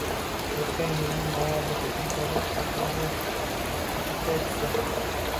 O‘tgan yilning noyabrida imzolash, aprelda — ratifikatsiya.